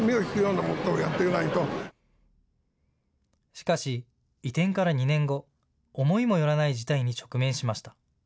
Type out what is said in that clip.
しかし移転から２年後、思いもよらない事態に直面しました。